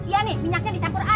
iya nih minyaknya dicampur air tuh